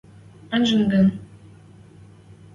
Анжет гӹнь...